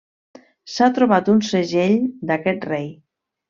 S'ha trobat un segell d'aquest rei.